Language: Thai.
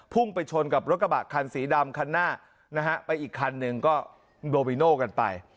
ไปชนกับรถกระบะคันสีดำคันหน้านะฮะไปอีกคันหนึ่งก็โดบิโน่กันไป